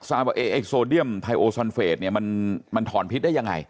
สามารถบอกโซเดียมไทโอซัลเฟสมันถอนพิษได้ยังไง